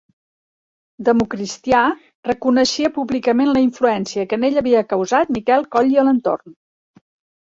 Democristià, reconeixia públicament la influència que en ell havia causat Miquel Coll i Alentorn.